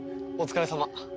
お疲れさま。